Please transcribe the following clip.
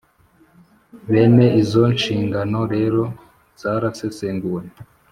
Bene izo nshingano rero zarasesenguwe